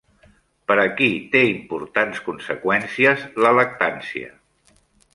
Per a qui té importants conseqüències la lactància?